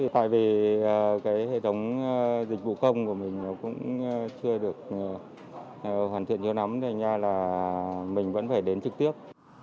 tại vì cái hệ thống dịch vụ công của mình nó cũng chưa được hoàn thiện chưa nắm nên ra là mình vẫn phải đến trực tiếp